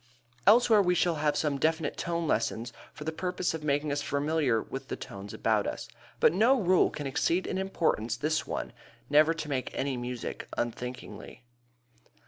Elsewhere we shall have some definite tone lessons for the purpose of making us familiar with the tones about us. But no rule can exceed in importance this one, never to make any music unthinkingly.